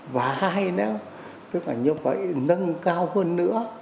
và hai nữa tức là như vậy nâng cao hơn nữa